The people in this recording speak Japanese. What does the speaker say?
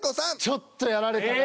ちょっとやられたな。